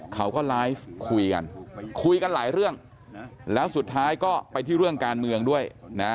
เขาก็ไลฟ์คุยกันคุยกันหลายเรื่องแล้วสุดท้ายก็ไปที่เรื่องการเมืองด้วยนะ